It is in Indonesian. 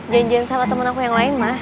janjian sama temen aku yang lain mah